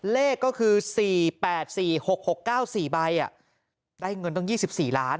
เลขก็คือสี่แปดสี่หกหกเก้าสี่ใบอ่ะได้เงินต้องยี่สิบสี่ล้าน